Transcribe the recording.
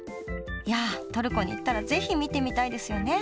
いやトルコに行ったら是非見てみたいですよね。